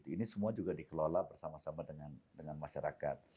ini semua juga dikelola bersama sama dengan masyarakat